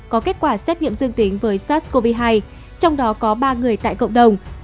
có kết quả xét nghiệm dương tính với sars cov hai trong đó có ba người tại cộng đồng